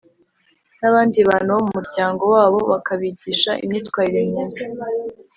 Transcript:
n’abandi bantu bo mu muryango wabo, bakabigisha imyitwarire myiza